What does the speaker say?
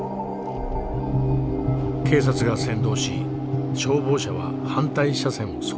警察が先導し消防車は反対車線を走行。